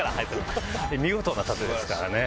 見事な殺陣ですからね。